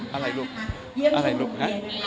อะไรลูก